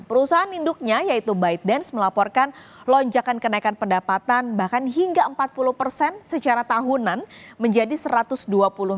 perusahaan induknya yaitu bidence melaporkan lonjakan kenaikan pendapatan bahkan hingga empat puluh persen secara tahunan menjadi satu ratus dua puluh persen